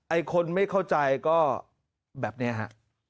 คนไม่เข้าใจก็แบบนี้ฮะ